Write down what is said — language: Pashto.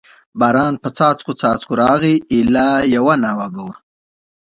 باران په څاڅکو څاڅکو راغی، ایله یوه ناوه به و.